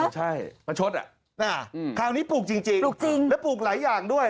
ใช่มาชดอ่ะคราวนี้ปลูกจริงและปลูกหลายอย่างด้วย